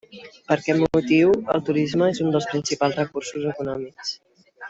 Per aquest motiu el turisme és un dels seus principals recursos econòmics.